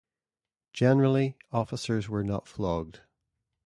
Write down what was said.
Generally, officers were not flogged.